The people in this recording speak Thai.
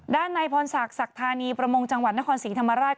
ด้านในพรศักดิ์ศักดิ์ธานีประมงจังหวัดนครศรีธรรมราช